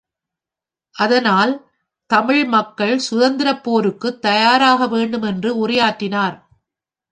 அதனால், தமிழ் மக்கள் சுதந்திரப் போருக்குத் தயாராக வேண்டும் என்று உரையாற்றினார்!